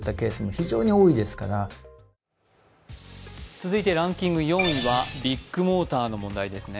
続いてランキング４位はビッグモーターの問題ですね。